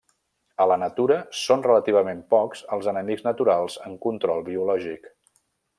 A la natura són relativament pocs els enemics naturals en control biològic.